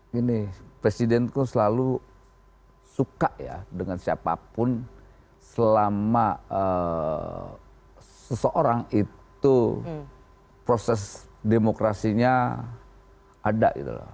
gini presiden kok selalu suka ya dengan siapapun selama seseorang itu proses demokrasinya ada gitu loh